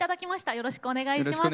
よろしくお願いします。